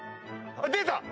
出た！